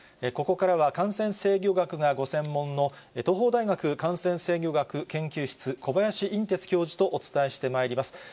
ここからは感染制御学がご専門の東邦大学感染制御学研究室、小林寅てつ教授とお伝えしてまいります。